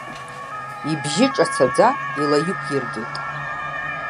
Ибжьы ҿацаӡа илаиқәиргеит.